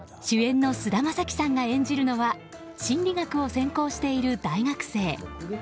主演の菅田将暉さんが演じるのは心理学を専攻している大学生。